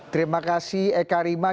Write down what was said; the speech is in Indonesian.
terima kasih eka rima